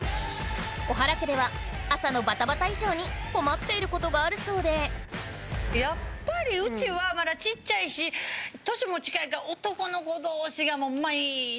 小原家では朝のバタバタ以上に困っていることがあるそうでやっぱりうちはまだちっちゃいし年も近いから。